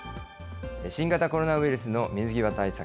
新型コロナウイルスの水際対策。